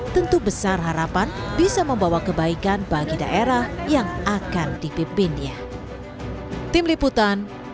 tentu besar harapan bisa membawa kebaikan bagi daerah yang akan dipimpinnya